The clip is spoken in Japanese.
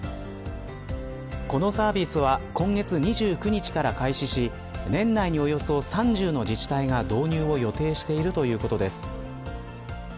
このサービスは今月２９日から開始し年内におよそ３０の自治体が導入を予定しているということです。